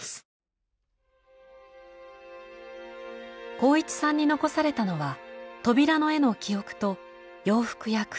航一さんに残されたのは扉の絵の記憶と洋服や靴。